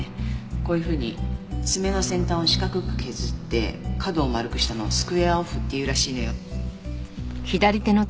こういうふうに爪の先端を四角く削って角を丸くしたのをスクエアオフって言うらしいのよ。